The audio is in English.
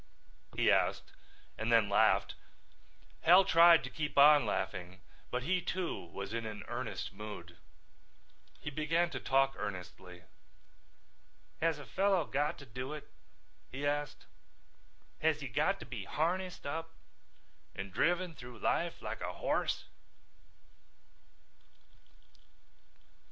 he asked and then laughed. Hal tried to keep on laughing but he too was in an earnest mood. He began to talk earnestly. "Has a fellow got to do it?" he asked. "Has he got to be harnessed up and driven through life like a horse?"